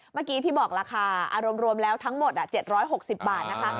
เมื่อกี้ที่บอกราคาอารมณ์รวมแล้วทั้งหมด๗๖๐บาทนะคะ